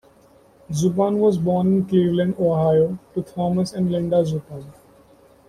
Zupan was born in Cleveland, Ohio, to Thomas and Linda Zupan.